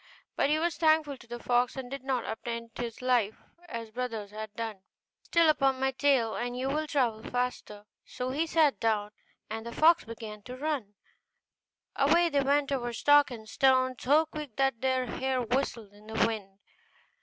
But he was thankful to the fox, and did not attempt his life as his brothers had done; so the fox said, 'Sit upon my tail, and you will travel faster.' So he sat down, and the fox began to run, and away they went over stock and stone so quick that their hair whistled in the wind.